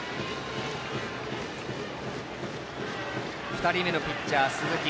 ２人目のピッチャー、鈴木。